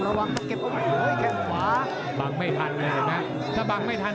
ระหว่างขวาของเปเปเล็กด้วย